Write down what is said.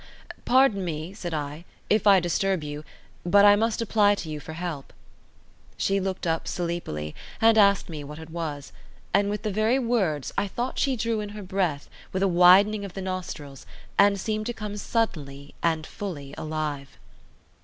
"Pardon me," said I, "if I disturb you, but I must apply to you for help." She looked up sleepily and asked me what it was, and with the very words I thought she drew in her breath with a widening of the nostrils and seemed to come suddenly and fully alive.